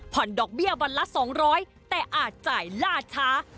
ผ่อนดอกเบี้ยวันละสองร้อยแต่อาจจ่ายล่าช้า